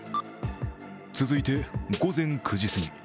続いて午前９時すぎ。